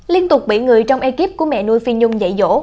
liên tục bị người trong ekip của mẹ nuôi phi nhung dạy dỗ